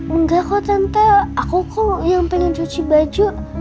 enggak kok tante aku kok yang pengen cuci baju